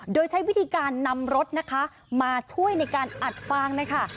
โดยใช้วิธีการนำรถนะคะมาช่วยในการอัดฟางนะคะ